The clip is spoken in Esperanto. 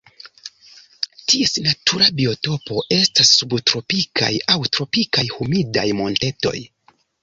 Ties natura biotopo estas subtropikaj aŭ tropikaj humidaj montetoj.